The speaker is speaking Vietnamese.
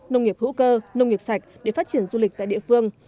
nông nghiệp hữu cơ nông nghiệp sạch để phát triển du lịch tại địa phương